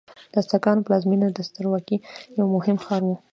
د ازتکانو پلازمینه د سترواکۍ یو مهم ښار و.